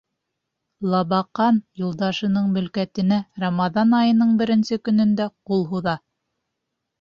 Лабаҡан юлдашының мөлкәтенә Рамаҙан айының беренсе көнөндә ҡул һуҙа.